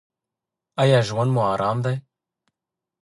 ایا ژوند مو ارام دی؟